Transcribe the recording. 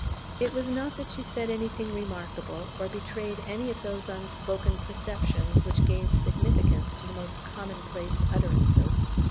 It was not that she said anything remarkable, or betrayed any of those unspoken perceptions which give significance to the most commonplace utterances.